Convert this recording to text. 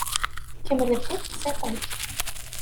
Kemmel-d i teqsiṭ-ik.